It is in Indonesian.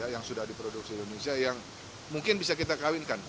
yang sudah diproduksi indonesia yang mungkin bisa kita kawinkan